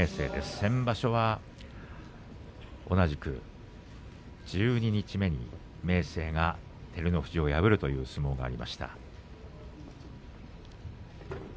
先場所は同じく十二日目に明生が照ノ富士を破るという相撲がありました。